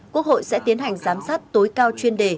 quốc hội sẽ tiến hành giám sát tối cao chuyên đề